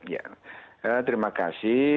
ya terima kasih